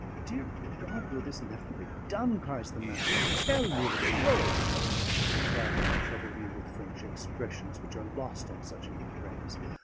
"Dear God, will this never be done?" cries the Master. "Quel lourdaud! But why do I trouble you with French expressions, which are lost on such an ignoramus?